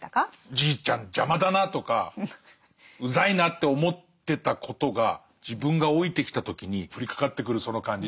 じいちゃん邪魔だなとかうざいなって思ってたことが自分が老いてきた時に降りかかってくるその感じ。